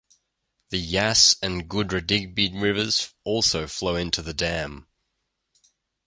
The Yass and Goodradigbee rivers also flow into the dam.